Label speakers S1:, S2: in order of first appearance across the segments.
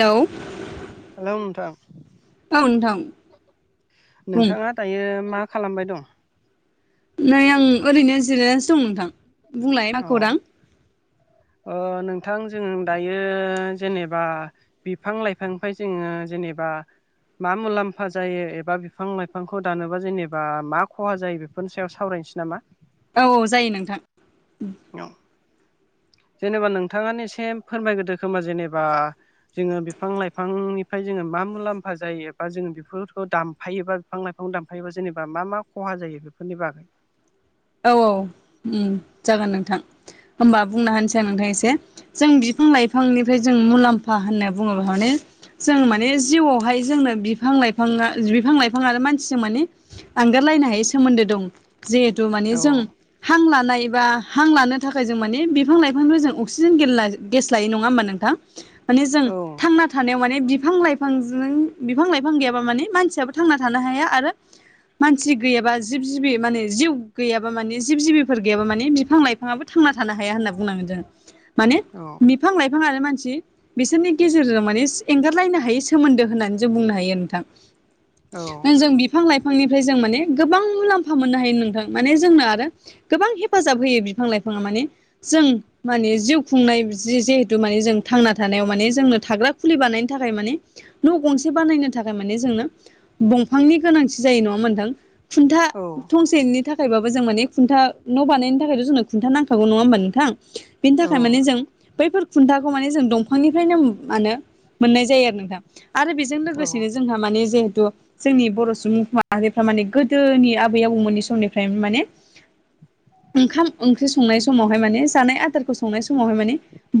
S1: औे
S2: हेलौ नोंथां
S1: औ नोंथां
S2: [inaudible]
S1: बुं
S2: नोंथाङा दायो मा खालामबाय दं?
S1: नै आं ओरैनो जिरायनानैसो दं नोंथां, बुंलाय मा
S2: अ
S1: खौरां?
S2: नोंथां जों दायो जेनेबा बिफां लाइफांनिफ्राय जोङो जेनेबा मा मुलाम्फा जायो एबा बिफां लाइफांखौ दानोबा जेनेबा मा खहा जायो? बेफोरनि सायाव सावरायनोसै नामा?
S1: औ औ जायो नोंथां।
S2: औ जेनेबा नोंथाङानो एसे फोरमायग्रदो खोमा जेनेबा जोङो बिफां लाइफांनिफ्राय जोङो मा मुलाम्फा जायो बा जोङो बेफोरखौ दामफायोबा बिफां लाइफां दानफायोबो जेनेबा मा मा खहा जायो बेफोरनि बागै।
S1: औ औ जागोन नोंथां होमबा बुंना होनोसै आं नोंथां एसे। जों बिफां लाइफांनिफ्राय जों मुलाम्फा होनना बुङोब्ला माने जों माने जिउआवहाय जोंनो बिफां लाइफाङा बिफां लाइफां आरो मानसिजों माने आगारलायनो हायै सोमोन्दो दं। जिहेथु माने
S2: औ
S1: जों हां लानाय बा हां लानो थाखाय जों माने बिफां लाइफांनो जों अक्सिजेन गेल गेस लायो नङा होमबा नोंथां? माने जों
S2: औ
S1: थांना थानायाव माने बिफां लाइफां बिफांजों बिफां लाइफां गैयाबा माने मानसियाबो थांना थानो हाया आरो मानसि गैयाबा जिब जिबि माने जिउ गैयाबा माने जिब जिबिफोर गैयाबा माने बिफां लाइफाङाबो थांना थानो हाया होनना बुंनांगोन जोङो माने
S2: औ
S1: बिफां लाइफाङानो मानसि बिसोरनि गेजेरजों माने एंगारलायनो हायो सोमोन्दो होननानै जों बुंनो हायो नोंथां।
S2: औ
S1: दा जों बिफां लाइफांनिफ्राय जों माने गोबां मुलाम्फा मोननो हायो नोंथां, माने जोंनो आरो गोबां हेफाजाब होयो बिफां लाइफाङा माने जों माने जिउ खुंनाय जि जिहेतु माने जों थांना थानायाव माने जोंनो थाग्रा खुलि बानायनो थाखाय माने न' गंसे बानायनो थाखाय माने जोंनो दंफांनि गोनांथि जायो नङा होमबा मोनथां खुन्था
S2: औ
S1: थंसेनि थाखाय यबबो जों मानि खुन्था न' बानायनायनि थाखाय' जोंनो खुन्था नाङा होमबा नोंथां? बेनि थाखाय
S2: औ
S1: माने जों बैफोर खुन्थाखौ माने जों दंफांनिफ्रायनो मा होनो मोननाय जायो आरो नोंथां आरो जों
S2: औ
S1: लोगोसेनो जोंहा माने जहेतु जोंनि बर' सुबुं माहारिफ्रा माने गोदोनि आबै आबौमोननि समनि फ्राय माने ओंखाम ओंख्रि संनाय समावहाय माने जानाय आदारखौ संनाय समावहाय माने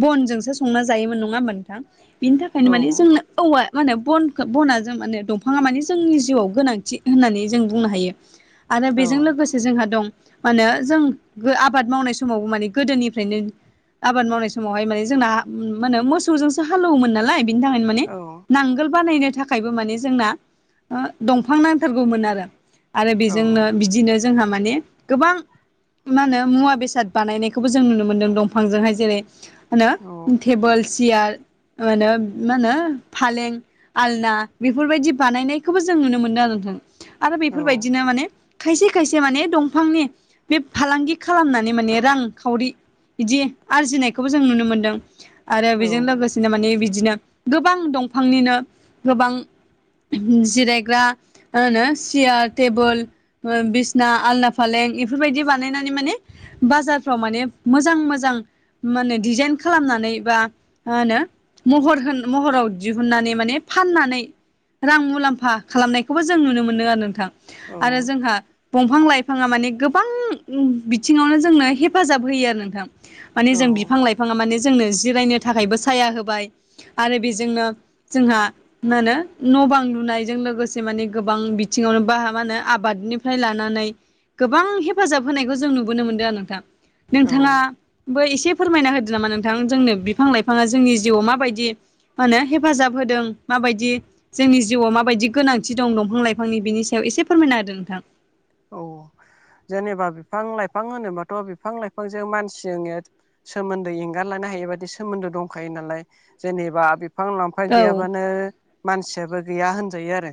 S1: बनजोंसो संना जायोमोन नङा होनबा नोंथां? बेनि
S2: औ
S1: थाखायनो माने जोंनो औवा मा होनो बन बना जों माने दंफाङा मानिे जोंनि जिउआव गोनांथि होननानै जों बुंनो हायो। आरो
S2: औ
S1: बेजों लोगोसे जोंहा दं मा होनो जों आबाद मावनाय समावबो माने गोदोनिफ्रायनो आबाद मावनाय समावहाय माने जोंना मा होनो मोसौजोंसो हालेवोमोन नालाय बिनि थाखायनो माने
S2: औ
S1: नांगोल बानायनो थाखायबो माने जोंना दंफां नांथारगौमोन आरो। आरो
S2: औ
S1: बेजोंनो बिदिनो जोंहा माने गोबां मा होनो मुवा बेसाद बानायनायखौबो जों नुनो मोन्दों दंफांजोंहाय जेरै मा होनो टेबोल सियार मा होनो मा होनो फालें आलना बेफोरबायदि बानायनायखौबो जों नुनो मोनदों आरो नोंथां। आरो बेफोरबायदिनो माने खायसे खायसे माने दंफांनि बे फालांगि खालामनानै माने रां खावरि बिदि आरजिनायखौबो जों नुनो मोनदों आरो बेजों
S2: औ
S1: लोगोसेनो माने बिदिनो गोबां दंफांनिनो गोबां जिरायग्रा मा होनो सियार टेबोल बिसिना आलना फालें इफोरबायदि बानायनानै माने बाजारफ्राव माने मोजां मोजां। मा होनो डिजाइन खालामनानै बा मा होनो महर होन महराव दिहुननानै माने फाननानै रां मुलाम्फा खालामनायखौबो जों नुनो मोनदों आरो नोंथां आरो जोंहा दंफां लाइफाङा माने गोबां बिथिङावनो जोंनो हेफाजाब होयो आरो नोंथां। माने जों बिफां लाइफाङा माने जोंनो जिरायनो थाखायबो साया होबाय आरो बेजोंनो जोंहा मा होनो न' बां लुनायजों लोगोसे माने गोबां बिथिङावनो बा मा होनो आबादनि फ्राय लानानै गोबां हेफाजाब होनायखौ जों नुबोनो मोनदों आरो नोंथां। नोंथाङा बो एसे फोरमायना होदो नामा नोंथां जोंनो बिफां लाइफाङा जोंनि जिउआव माबायदि मा होनो हेफाजाब होदों, माबायदि जोंनि जिउआव माबायदि गोनांथि दं दंफां लाइफांनि बिनि सायाव एसे फोरमायना होदो नोंथां।
S2: औ जेनेबा बिफां लाइफां होनोबाथ' बिफां लाइफांजों मानसिजों सोमोन्दो एंगारलानो हायै बादि सोमोन्दो दंखायो नालाय, जेनेबा बे बिफां लाांफां
S1: औ
S2: गैयाबानो मानसियाबो गैया होनजायो आरो,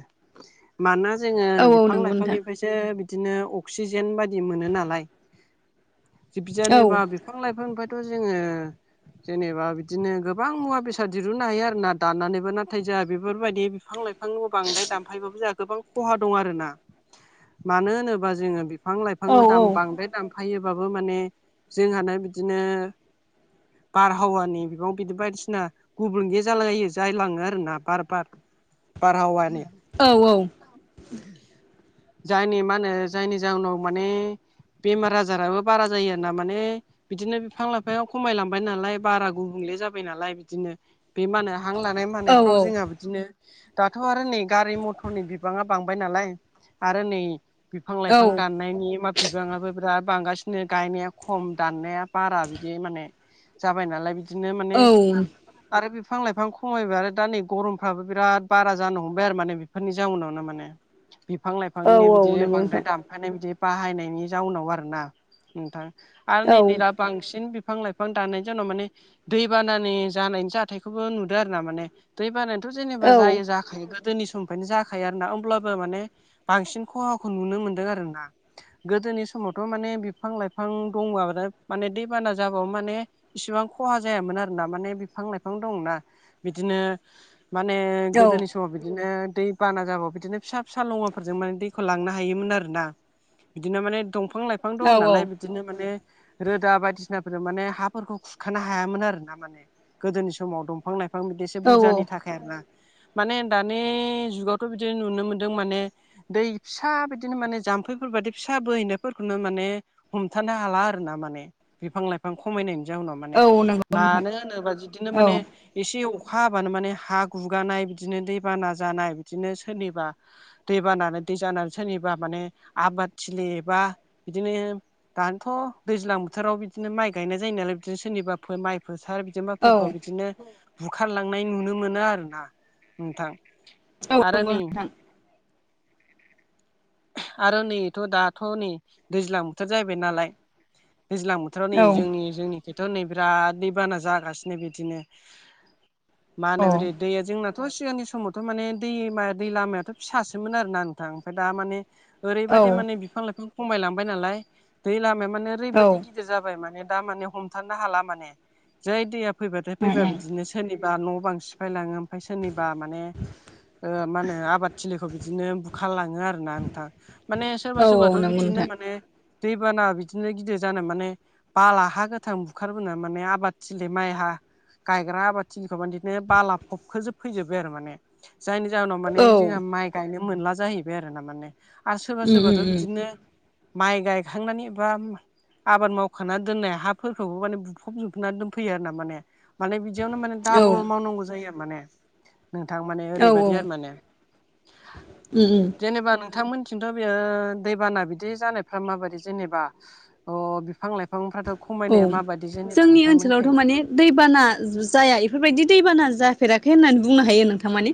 S2: मानोना जोङो
S1: औ औ
S2: बिफां
S1: नंगौ नोंथां
S2: लाइफांनिफ्रायसो बिदिनो अक्सिजेन बायदि मोनो नालाय बि
S1: औ
S2: जेनेबा बिफां लाइफांनिफ्रायथ' जोङो जेनेबा बिदिनो गोबां मुवा बेसाद दिरुननो हायो आरो ना दाननानैबो नाथाय जोंहा बेफोरबायदि बिफां लाइफां बिफां बांद्राय दामफायबाबो जोंहा गोबां खहा दं आरो ना मानो होनोबा जोंङो बिफां
S1: औ
S2: लाइफां‌
S1: औ
S2: दाम बांद्राय दाम थफायोबाबो माने जोंहानो बिदिनो बारहावानि बिबां बिदि बायदिसिना गुबुं गे जाालायो जायलाङो आरोना बार बार बारहावानि
S1: औ औ
S2: जायनि मा होनो जायनि जाहोनाव माने बेमार आजाराबो बारा जायो ना माने बिदिनो बिफां लाइफाङा खमायलांबाय नालाय बारा गुबुंले जाबाय नालाय बिदिनो बे मा होनो हां लानाय
S1: औ
S2: मानायफ्राव जोंहा बिदिनो दाथ' आरो नै गारि मथरनि बिबाङा बांबाय नालाय आरो नै बिफां
S1: औ
S2: लाइफां दाननायनि मा बिबाङाबो बिराद बांगासिनो, गायनाया खम, दाननाया बारा बिदि माने जाबाय नालाय बिदिनो माने
S1: औ
S2: आरो बिफां लाइफां खमायबाय आरो दा नै गरमफ्राबो बिराद बारा जानो हमबाय आरो माने बेफोरनि जाउनावनो माने बिफां
S1: औ
S2: लाइफांनि
S1: औ
S2: बिदिनो
S1: नंगौ
S2: बांद्राय
S1: नोंथां
S2: दाम मखे बिदि बाहायनायनि जाउनाव आरो ना नोंथां आरो नै
S1: औ
S2: दैर बांसिन बिफां लाइफां दानाय जनाव माने दैबानानि जानायनि जाथायखौबो नुदो आरो ना माने दै बानायानोाथ
S1: औ
S2: जेनेबा जायो जाखायो गोदोनि समनिफ्रायनो जाखायो आरोना होमब्लाबो माने बांसिन खहाखौ नुनो मोनदों आरोना गोदोनि समावथ माने बिफां लाइफां दंब दा माने दैबाना जाबो माने इसिबां खहा जायामोन आरो ना माने बिफां लाइफां दंना बिदिनो माने गोदोनि समाव बिदिनो दै बाना जाबो बिदिनो फिसा फिसा लङाफोरजों माने दैखौ लांनो हायोमोन आर ना बिदिनो माने दंफां लाइफां
S1: औ
S2: दंङ नालाय बिदिनो माने रोदा बायदिसिनाफोर माने हाफोरखौ खुरखानो हायामोन आरो ना माने गोदोनि समाव दंफां लाइफां बिफां बिदिसो
S1: औ
S2: बुरजानि थाखाय आरोना माने दानि जुगावथ बिदि नुनो मोनदों माने दै फिसा बिदिनो माने जाम्फैफोर बायदि फिसा बोहैनायफोरखौनो माने हमथानो हाला आर ना माने बिफां लाइफां बिबां खमायनायनि जाउनाव माने
S1: औ नंगौ नोंथां
S2: मानो होनोबा बिदिनो माने
S1: औ
S2: एसे अखा हाबानो माने हा गुगानाय बिदिनो दैबाना जानाय बिदिनो सोरनिबा दै बानानै दै जानानै सोरनिबा माने आबादथिलि बा बिदिनो दानोथ दैज्लां बोथोराव बिदिनो माइ गायनाय जायो नालाय बिदिनो सोरनिबा माइ फोथार बिदि माइफोरखौ
S1: औ
S2: बिदिनो बुखारलांनाय नुनो मोनो आरो ना नोंथां
S1: औ
S2: आरो
S1: नंगौ
S2: नै
S1: नोंथां
S2: आरो नैथ दाथ नै दैज्लां बोथोर जाहैबाय नालाय दैजां बोथोराव नै
S1: औ
S2: जोंनि जोंनि थ बिराद दैबाना जागासिनो बिदिनो मा होनो
S1: औ
S2: ओरै दैया जोंना थ' सिगांनि समावथ माने दैमा दै लामायाथ' फिसासोमोन आरोना नोंथां ओमफाय दा माने ओरैबादि माने बिफां लाइफां खमायलांबाय नालाय दै लामाया माने
S1: औ
S2: ओरैबायदि
S1: उम
S2: गि दिर जाबाय माने दा माने हमथानो हाला माने जाय दैया फैबाथाय फैबाय
S1: उम
S2: बिदिनो सोरनिबा न'-बां सिफायलाङो ओमफ्राय सोरनिबा माने मा होनो आबाद थिलिखौ बिदि नो बुखारलाङो आरोना नोंथां माने सोरबा
S1: औ
S2: सोरबाथ'
S1: नंगौ
S2: बिदिनो
S1: नोंथां
S2: मा दैबाना बिदिनो गिदिर जानो माने बाला हा गोथां बुखारबोना माने आबादथिलि माइ हा गायग्रा आबादथिलिखौ माने बिदिनो बाला फबखोजोब फैजोब्बाय आरो माने जायनि जाहोनाव
S1: औ
S2: माने जोंहा माइ गायनो मोनला जाहैबाय आरो ना माने आरो सोरबा
S1: उम उम
S2: सोरबाथ' बिदिनो माइ गायखांनानै बा आबाद मावखाना दोननाय हाफोरखौबो माने बुफब जोबना दोनफैयो आरो ना माने माने बिदियावनो माने
S1: औ
S2: डाबल मावनांगौ जायो आरो माने नोंथां माने
S1: औ
S2: ओरैबायदि आरो माने
S1: उम उम
S2: जेनेबा नोंथांमोननिथिंथ बेयो दैबाना बिदि जानायफ्रा माबायदि जेनेबा अ बिफां लाइफांफ्राथ'
S1: औ
S2: खमायनाया माबादि जेनेबा
S1: जोंनि ओनसोलावथ'
S2: नोंथांमोननिखै?
S1: माने दैबाना जाया इफोरबायदि दैबाना जाफेराखै होननानै बुंनो हायो नोंथां माने।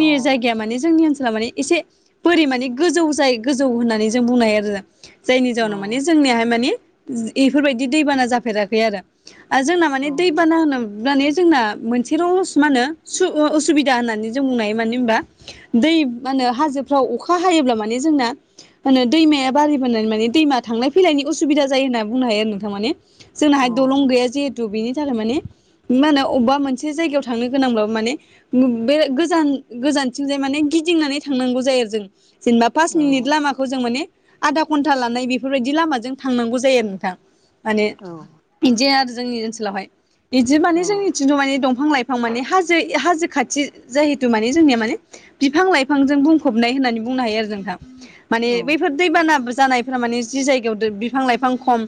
S2: अ
S1: जायगाया माने जोंनि ओनोल माने एसे बोरि माने गोजौ जायो गोजौ होननानै जों बुंनो हायो आरो जों। जायनि
S2: औ
S1: जाउनाव माने जोंनियाहाय माने इफोरबायदि दैबाना जाफेराखै आरो। जोंना माने दैबाना होनो माने जोंना मोनसेल' मा होनो असुबिदा होननानै जों बुंनो हायो मानो होनबा दै मा होनो हाजोफ्राव अखा हायोब्ला माने जोंना मा होनो दैमाया बारायबोनानै माने दैमा थांनाय फैलायनायनि असुबिदा जायो होनना बुंनो हायो आरो नों थां माने
S2: औ
S1: जोंनाहाय दलं गैया जिहेतु बेनि थाखाय माने मा होनो अबबा मोनसे जायगायाव थांनो गोनांबाबो माने बे गोजान गोजानथिंजाय माने गिदिंनानै थांनांगौ जायो आरो जों। जेनेबा पास
S2: औ
S1: मिनिट लामाखौ जों माने आधा घन्टा लानाय बेफोरबायदि लामाजों थांनांगौ जायो आरो नोंथां। माने
S2: औ।
S1: बिदि आरो जोंनि ओनसोलावहाय बिदि
S2: औ
S1: माने जोंनिथि खिन्थु माने दंफां लाइफां माने हाजो हाजो खाथि जिहेतु माने जोंनिया माने बिफां लाइफांजों बुंफबनाय होननानै बुंनो हायो आरो नोंथां। माने बैफोर दैबाना जानायफोरा माने जि जायगायाव बिफां लाइफां खम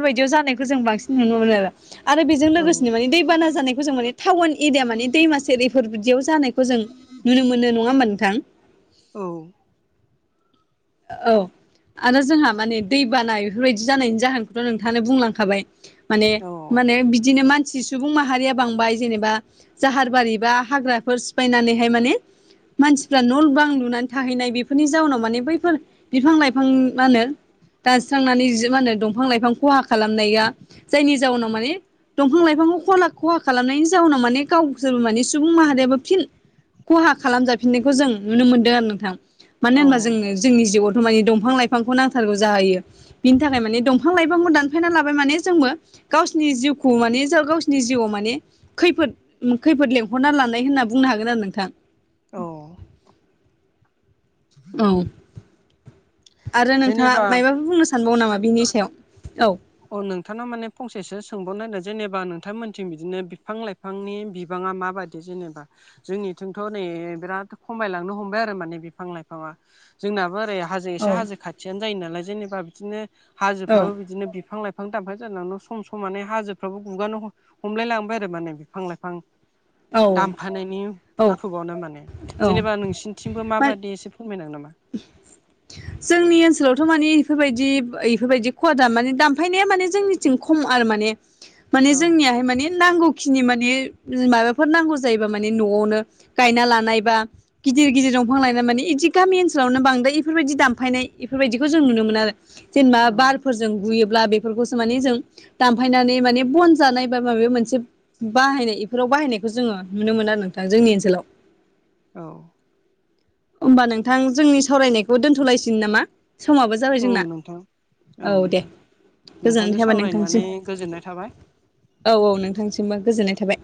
S1: बेफोरबायदियाव जानायखौ जों बांसिन नुनो मोनो आरो। आरो बेजों लोगोसेनो माने दैबाना जानायखौ जों माने टाउन एरिया माने दैमा सेर बेफोर बिदियाव जानायखौ जों नुनो मोनो नङा होमबा नोंथां।
S2: औ‌।
S1: औ। आरो जोंहा माने दै बाना इफोरबायदि जानायनि जाहोनखौथ' नोंथाङानो बुंलांखाबाय। माने
S2: औ
S1: माने बिदिनो मान सि सुबुं माहारिया बांबाय जेनेबा जाहारबारि बा हाग्राफोर सिफायनानैहाय माने मानसिफ्रा न' बां लुनानै थाहैनाय बेफोरनि जाउनाव माने बै फोर बिफां लाइफां मा होनो दानस्रांनानै मा होनो दंफां लाइफां खहा खालामनाया जायनि जाउनाव माने दंफां लाइफांखौ खला खहा खालामनायनि जाउनाव माने गावसोरबो माने सुबुं माहारियाबो फिन खहा खालामजाफिननायखौ जों नुनो मोनदों आरो नोंथां मानो होनबा
S2: औ
S1: जोंनो जोंनि जिउआवथ' माने दंफां लाइफांखौ नांथारगौ जाहैयो। बिनि थाखाय माने दंफां लाइफांखौ दानफायना लाबाय माने जोंबो गावसिनि जिउखौ माने ज गावसिनि जिउआव माने खैफोद खैफोद लेंहरना लानाय होनना बुंनो हागोन आरो नोंथां।
S2: औ।
S1: औ आरो नोंथाङा
S2: जेनेबा
S1: मायबाफोर बुंनो सानबावो नामा बेनि सायाव औ।
S2: औ नोंथांनाव माने फंसेसो सोंबावनो नागिरदों जेनेबा नोंथांमोनथिं बिदिनो बिफां लाइफ फांनि बिबाङा माबादि जेनेबा? जोंनिथिंथ' नै बिराद खमायलांनो हमबाय आरो माने बिफां लाइफाङा। जोंनाबो ओरै हाजो एसे
S1: औ
S2: हाजो खाथियानो जायो नालाय जेनेबा बिदिनो हाजोफ्रावबो बिदिनो बिफां लाइफां दानफां जानांनो सम मानानै हाजोफ्राबो गुगानो हमलाय लांबाय आरो माने बिफां लाइफां
S1: औ
S2: दामफानायनि
S1: औ
S2: खुबावनो माने
S1: औ
S2: जेनेबा नोंसिनि थिंबो
S1: मा
S2: माबादि एसे फोरमायनो हागोन नामा?
S1: जोंनि ओनसोलावथ' माने इफोरबायदि इफोरबायदि खहा दाम माने दाम फाया माने जोंनिथिं खम आरो माने माने
S2: औ
S1: जोंनियाहाय माने नांगौ खिनि माने माबाफोर नांगौ जायोबा माने न'आवनो गायना लानाय बा गिदिर गिदिर दंफां लायफां माने इदि गामि ओनस लावनो बांद्राय इफोरबायदि दामफायनाय इफोरबायदिखौ जों नुनो मोना आरो जेनेबा
S2: औ
S1: बारफोर जों गुयोब्ला बेफोरखौसो माने जों दानफायनानै माने बन जानाय बा माबा मोनसे बाहायनाय इफोराव बाहायनायखौ जोङो नुनो मोनो आरो नोंथां जोंनि ओनसोलाव।
S2: औ
S1: होनबा नोंथां जोंनि सावरायनायखौ दोनथ'लायसिन नामा। समाबो जाबाय
S2: औ
S1: जोंना
S2: नोंथां
S1: औ दे। गोजोननाय
S2: नोंथांजों
S1: थाबाय नोंथांसिम
S2: सावरायनानै गोजोननाय थाबाय।
S1: औ औ नोंथांसिमबो गोजोननाय थाबाय।